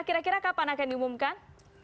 kira kira kapan akan diumumkan